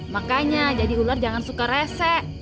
makanya jadi ular jangan suka resek